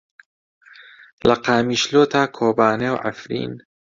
لە قامیشلۆ تا کۆبانێ و عەفرین.